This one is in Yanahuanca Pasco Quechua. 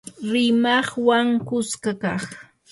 rimaqwan kuska kaq